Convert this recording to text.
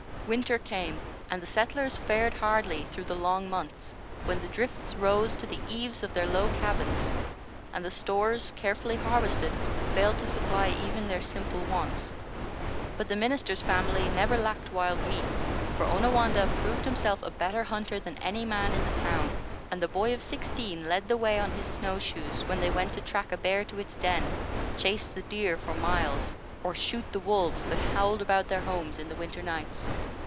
Winter came, and the settlers fared hardly through the long months, when the drifts rose to the eaves of their low cabins, and the stores, carefully harvested, failed to supply even their simple wants. But the minister's family never lacked wild meat, for Onawandah proved himself a better hunter than any man in the town; and the boy of sixteen led the way on his snow shoes when they went to track a bear to its den, chase the deer for miles, or shoot the wolves that howled about their homes in the winter nights.